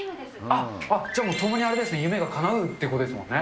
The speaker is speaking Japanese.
あっ、じゃあ、共にあれですね、夢がかなうってことですもんね。